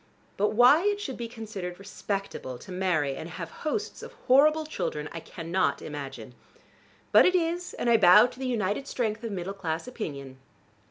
But why it should be considered respectable to marry and have hosts of horrible children I cannot imagine. But it is, and I bow to the united strength of middle class opinion.